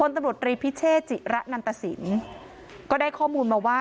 ตำรวจรีพิเชษจิระนันตสินก็ได้ข้อมูลมาว่า